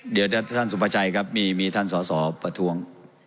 เดี๋ยวท่านสุภาชัยครับมีท่านสอสอประท้วง